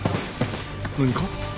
何か？